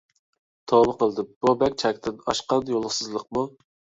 توۋا قىلدىم. بۇ بەك چەكتىن ئاشقان يولسىزلىققۇ؟